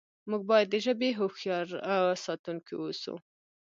موږ باید د ژبې هوښیار ساتونکي اوسو.